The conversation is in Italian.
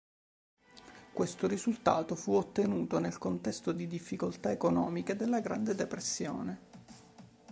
Questo risultato fu ottenuto nel contesto di difficoltà economiche della Grande Depressione.